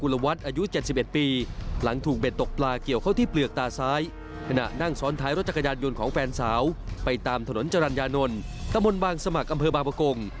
รถจักรยานยนต์ของแฟนสาวไปตามถนนจรัญญานนท์ตะมนต์บางสมัครอำเภอบางปกลง